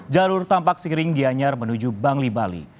jalur tampak siring gianyar menuju bangli bali